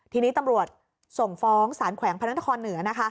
ทีนี้ตำรวจส่งฟ้องศาลแขวงพนักฐานตร์เหนือ